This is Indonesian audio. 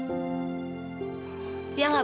udah ibu tenang aja ya